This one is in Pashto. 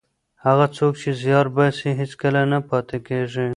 هغه څوک چې زیار باسي هېڅکله نه پاتې کېږي.